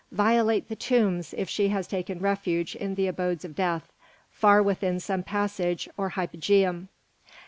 Violate the tombs, if she has taken refuge in the abodes of death, far within some passage or hypogeum.